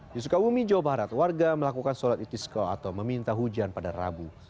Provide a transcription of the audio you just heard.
di sukabumi jawa barat warga melakukan sholat itiskoh atau meminta hujan pada rabu